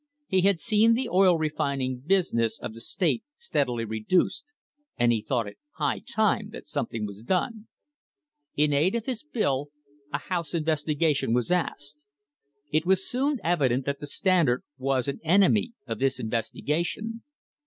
He had seen the oil refining busi ness of the state steadily reduced, and he thought it high time that something was done. In aid of his bill a House STRENGTHENING THE FOUNDATIONS investigation was asked. It was soon evident that the Standard was an enemy of this investigation.